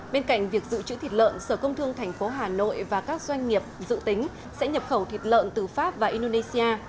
bên cạnh việc dự trữ thịt lợn sở công thương tp hà nội và các doanh nghiệp dự tính sẽ nhập khẩu thịt lợn từ pháp và indonesia